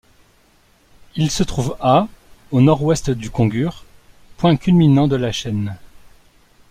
Il se trouve à au nord-ouest du Kongur, point culminant de la chaîne.